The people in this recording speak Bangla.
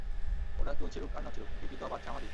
ওরা চুল ছিড়ুক আর না ছিড়ুক, বিপি তো বাড়ছে আমারই।